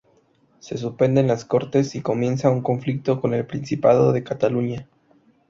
Se suspenden las Cortes y comienza un conflicto con el Principado de Cataluña.